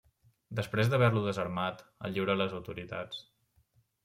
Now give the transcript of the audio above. Després d'haver-lo desarmat, el lliura a les autoritats.